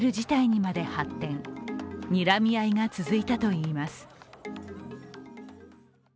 にらみ合いが続いたといいます。